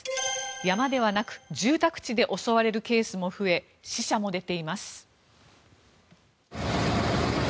山ではなく住宅地で襲われるケースも増え死者も出ています。